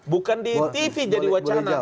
bukan di tv jadi wacana